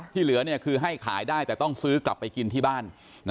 ที่เหลือคือให้ขายได้แต่ต้องซื้อกลับไปกินที่บ้าน